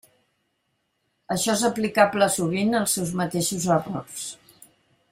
Això és aplicable sovint als seus mateixos errors.